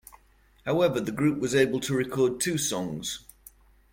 However, the group was able to record two songs.